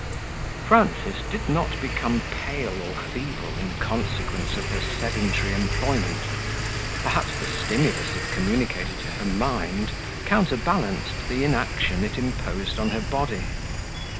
Frances did not become pale or feeble in consequence of her sedentary employment; perhaps the stimulus it communicated to her mind counterbalanced the inaction it imposed on her body.